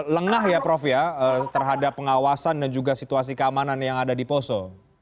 lengah ya prof ya terhadap pengawasan dan juga situasi keamanan yang ada di poso